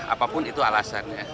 apapun itu alasannya